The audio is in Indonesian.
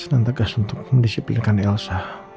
dan tegas untuk mendisiplinkan elsa